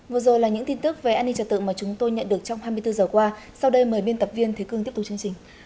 vừa rồi là những tin tức về an ninh trật tự mà chúng tôi nhận được trong hai mươi bốn giờ qua sau đây mời biên tập viên thế cương tiếp tục chương trình